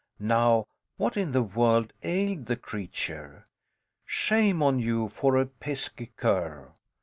Now, what in the world ailed the creature? Shame on you for a pesky cur!